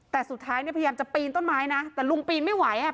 แต่สุดท้ายเนี่ยพยายามจะปีนต้นไม้นะแต่ลุงปีนไม่ไหวอ่ะ